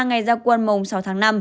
ngày gia quân mồng sáu tháng năm